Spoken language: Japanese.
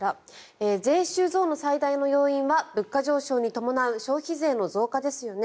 税収増の最大の要因は物価上昇に伴う消費税の増加ですよね。